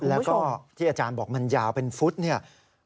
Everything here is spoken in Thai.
แล้วก็ที่อาจารย์บอกมันยาวเป็นฟุตเนี่ย